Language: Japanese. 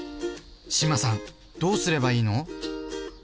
志麻さんどうすればいいの？